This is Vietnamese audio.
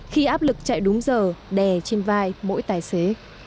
khi áp lực chạy đúng giờ đè trên vai mỗi tài xế